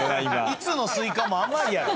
いつのスイカも甘いやろ。